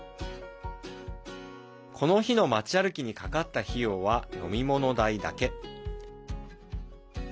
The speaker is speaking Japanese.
この日の街歩きにかかった費用は飲み物代だけ。